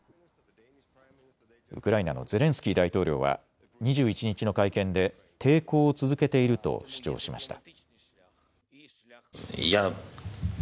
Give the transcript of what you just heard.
ウクライナのゼレンスキー大統領は２１日の会見で抵抗を続けていると主張しました。